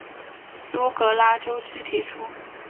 朱格拉周期提出。